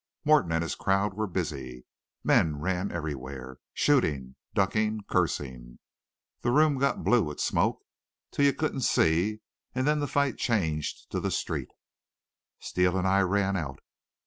Morton and his crowd were busy. Men ran everywhere, shooting, ducking, cursing. The room got blue with smoke till you couldn't see, and then the fight changed to the street. "Steele and I ran out.